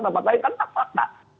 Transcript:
tempat lain kan tak patah